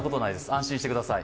安心してください。